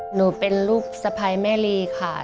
หนูเป็นลูกสะพายแม่ลีค่ะ